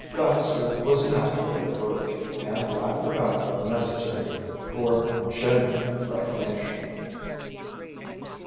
Baxter was naturally a brute, and lacked the backbone necessary far genuine reformation.